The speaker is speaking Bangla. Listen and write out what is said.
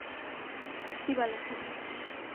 কি বালের ক্ষমা?